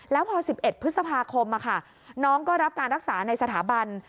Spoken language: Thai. แล้วพอ๑๑พฤษภาคมน้องก็รับการรักษาในสถาบัน